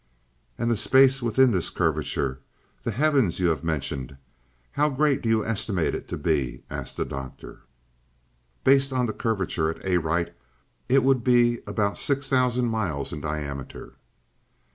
"And the space within this curvature the heavens you have mentioned how great do you estimate it to be?" asked the Doctor. "Based on the curvature at Arite it would be about six thousand miles in diameter."